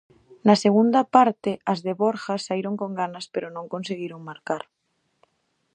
Na segunda parte as de Borja saíron con ganas pero non conseguiron marcar.